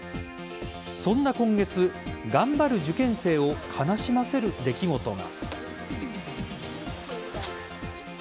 そんな今月、頑張る受験生を悲しませる出来事が。